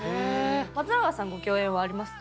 松永さんご共演はありますか？